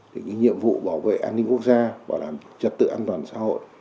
thì cái nhiệm vụ bảo vệ an ninh quốc gia và làm trật tự an toàn xã hội